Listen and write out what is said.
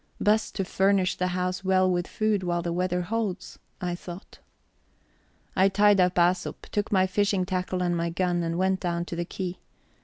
Best to furnish the house well with food while the weather holds, I thought. I tied up Æsop, took my fishing tackle and my gun, and went down to the quay.